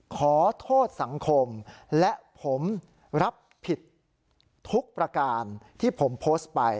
ขอโทษสังคมและผมรับผิดทุกประการที่ผมโพสต์ไป